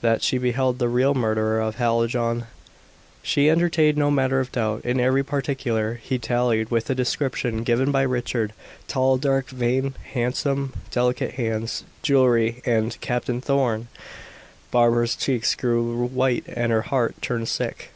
That she beheld the real murderer of Hallijohn, she entertained no manner of doubt. In every particular he tallied with the description given by Richard; tall, dark, vain, handsome, delicate hands, jewellery, and Captain Thorn! Barbara's cheeks grew white and her heart turned sick.